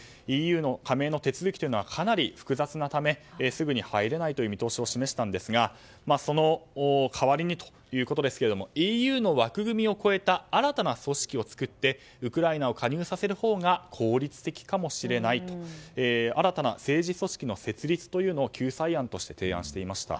ＥＵ加盟の手続きはかなり複雑なためすぐに入れないとの見通しを示したんですがその代わりにということですがＥＵの枠組みを超えた新たな組織を作ってウクライナを加入させるほうが効率的かもしれないと新たな政治組織の設立というのを救済案として提案していました。